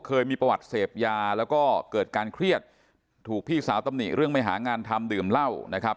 เคยมีประวัติเสพยาแล้วก็เกิดการเครียดถูกพี่สาวตำหนิเรื่องไม่หางานทำดื่มเหล้านะครับ